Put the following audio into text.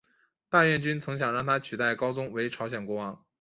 大院君曾想让他取代高宗为朝鲜国王。